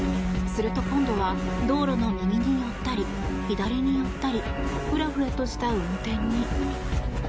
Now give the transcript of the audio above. すると今度は道路の右に寄ったり左に寄ったりフラフラとした運転に。